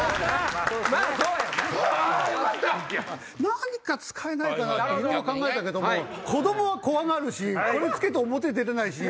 何か使えないかなっていろいろ考えたけども子供は怖がるしこれを着けて表へ出れないし。